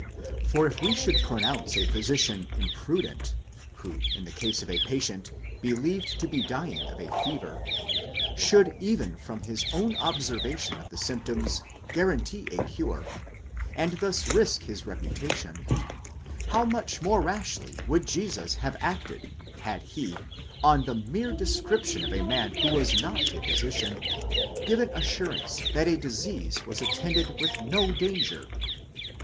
For if we should pronounce a physician imprudent, who in the case of a patient believed to be dying of fever, should even from. his own observation of the symptoms, guarantee a cure, and thus risk his reputation : how much more rashly would Jesus have acted, had he, on the: mere description of a man who was not a physician, given assurance that a: disease was attended with no danger?